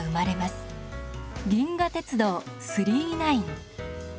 「銀河鉄道９９９」。